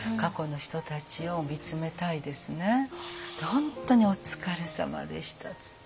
本当にお疲れさまでしたっつって。